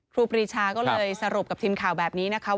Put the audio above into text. ครูปรีชาก็เลยสรุปกับทีมข่าวแบบนี้นะคะ